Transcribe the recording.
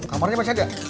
kamarnya masih ada